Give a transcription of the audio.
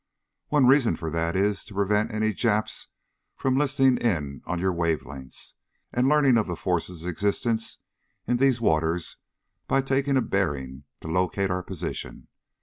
One reason for that is to prevent any Japs from listening in on your wave lengths, and learning of the force's existence in these waters by taking a bearing to locate our position.